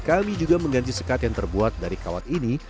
kami juga mengganti sekat yang terbuat dari kawat ini